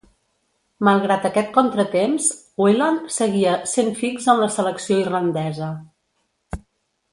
Malgrat aquest contratemps, Whelan seguia sent fix en la selecció irlandesa.